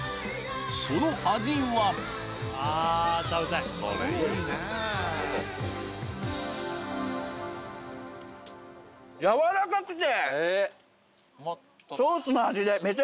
その味は？軟らかくて。